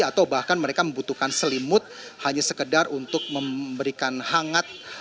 atau bahkan mereka membutuhkan selimut hanya sekedar untuk memberikan hangat